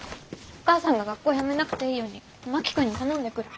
お母さんが学校辞めなくていいように真木君に頼んでくる。